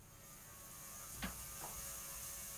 Porodila mu pět dětí.